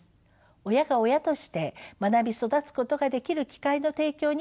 親が親として学び育つことができる機会の提供にもつながります。